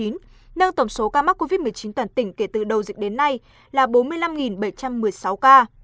nâng tổng số ca mắc covid một mươi chín toàn tỉnh kể từ đầu dịch đến nay là bốn mươi năm bảy trăm một mươi sáu ca